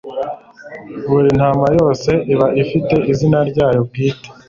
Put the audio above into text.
Buri ntama yose iba ifite izina ryayo bwite,